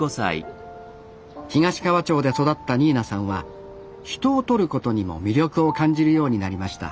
東川町で育ったニーナさんは人を撮ることにも魅力を感じるようになりました